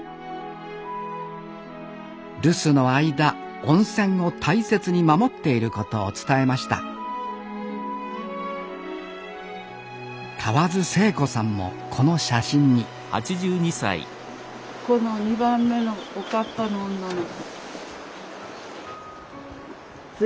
留守の間温泉を大切に守っていることを伝えました河津セイ子さんもこの写真にこの２番目のおかっぱの女の子。